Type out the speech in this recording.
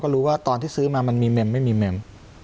รู้ว่าตอนที่ซื้อมามันมีเมมไม่มีเมม